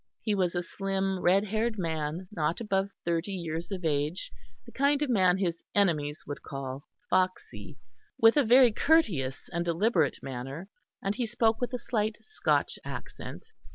He was a slim red haired man, not above thirty years of age, the kind of man his enemies would call foxy, with a very courteous and deliberate manner, and he spoke with a slight Scotch accent.